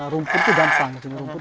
rumput itu gampang